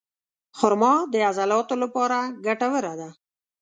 خرما د عضلاتو لپاره ګټوره ده.